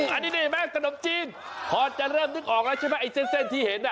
อันนี้ได้ไหมกระดบจีนพอจะเริ่มนึกออกแล้วใช่ไหมไอ้เส้นที่เห็น